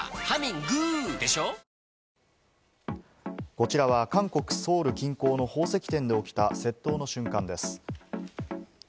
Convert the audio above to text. こちらは韓国・ソウル近郊の宝石店で起きた窃盗の瞬間です。